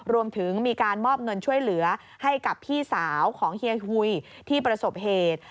รวมถึงมีการมอบเงินช่วยเหลือให้กับพี่สาวของเฮียหุยที่ประสบเหตุ